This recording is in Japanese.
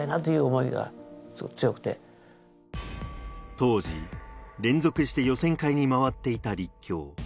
当時、連続して予選会に回っていた立教。